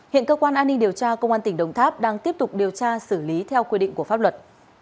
hiện cơ quan an ninh điều tra công an tỉnh đồng tháp đang tiếp tục điều tra xử lý theo quy định của pháp luật